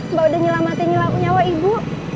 mbak udah nyelamatin nyawa ibu